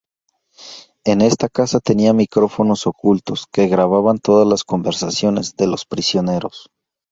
Esta casa tenía micrófonos ocultos que grababan todas las conversaciones de los prisioneros.